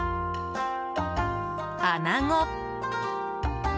アナゴ。